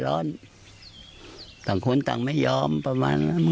ก็ตะเดี้ยว